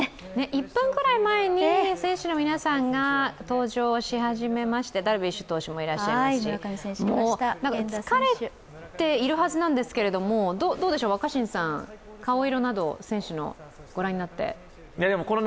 １分ぐらい前に選手の皆さんが登場し始めましてダルビッシュ投手もいらっしゃいますし、疲れているはずなんですけれども、選手の顔色などご覧になってどうでしょう。